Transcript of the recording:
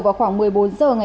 thông tin ban đầu